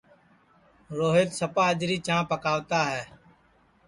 روہیت سپا اجری چاں پکاوتا ہے